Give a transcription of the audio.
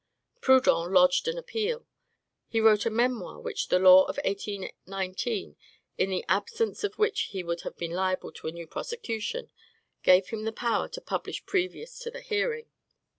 Proudhon lodged an appeal; he wrote a memoir which the law of 1819, in the absence of which he would have been liable to a new prosecution, gave him the power to publish previous to the hearing.